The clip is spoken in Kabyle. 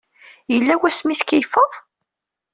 Yella wasmi ay tkeyyfeḍ?